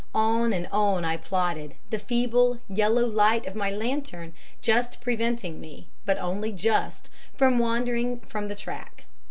On and on I plodded, the feeble, yellow light of my lantern just preventing me but only just from wandering from the track.